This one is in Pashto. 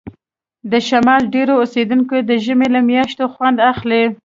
د شمال ډیری اوسیدونکي د ژمي له میاشتو خوند اخلي